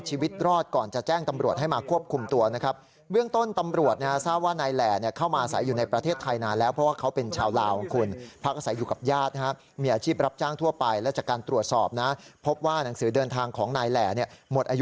นี่ฮะสุมทุมพุ่มไม้แอบซ่อนตัวอยู่นิ่งแทบจะไม่เห็นเลย